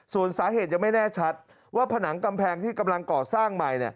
ส่วนสาเหตุยังไม่แน่ชัดว่าผนังกำแพงที่กำลังก่อสร้างใหม่